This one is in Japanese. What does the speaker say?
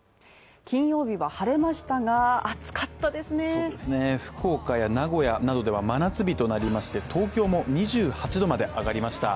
そうですね、福岡や名古屋などでは真夏日となりまして東京も２８度まで上がりました。